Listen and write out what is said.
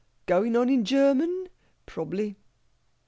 "Goin' on in German? Prob'ly."